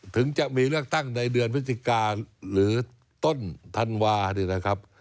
ถึงจะมีเลือกตั้งในเดือนนิถิกาหรือต้นถันวานะครับ